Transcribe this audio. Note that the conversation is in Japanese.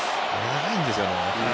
長いんですよね。